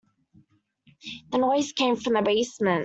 The noise came from the basement.